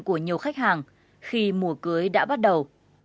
của nhiều khách hàng khi mùa cưới đã bắt đầu